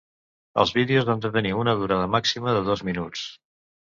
Els vídeos han de tenir una durada màxima de dos minuts.